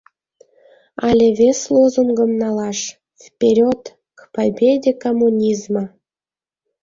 Але вес лозунгым налаш: «Вперед — к победе коммунизма!».